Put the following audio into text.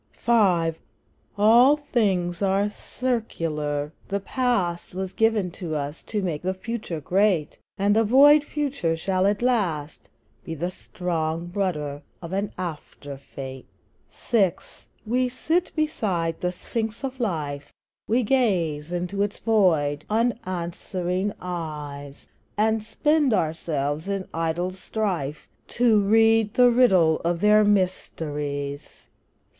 V. All things are circular; the Past Was given us to make the Future great; And the void Future shall at last Be the strong rudder of an after fate. VI. We sit beside the Sphinx of Life, We gaze into its void, unanswering eyes, And spend ourselves in idle strife To read the riddle of their mysteries.